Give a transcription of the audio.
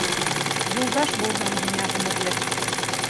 Юлдаш булһын һиңә ғүмерлек.